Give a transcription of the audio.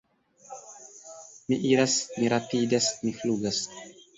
Mi iras, mi rapidas, mi flugas!